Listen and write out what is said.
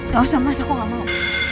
gak usah mas aku gak mau